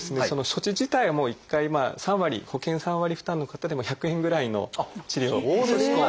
その処置自体は１回まあ３割保険３割負担の方でも１００円ぐらいの治療費。